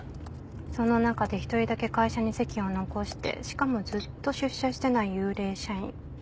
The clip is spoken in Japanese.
その中で１人だけ会社に籍を残してしかもずっと出社してない幽霊社員。